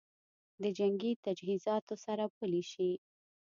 د جنګي تجهیزاتو سره پلي شي